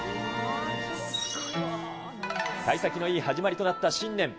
幸先のいい始まりとなった新年。